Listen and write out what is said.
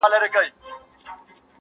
دا دنیا له هر بنده څخه پاتیږي!.